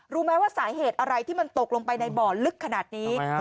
รู้ไหมว่าสาเหตุอะไรที่มันตกลงไปในบ่อลึกขนาดนี้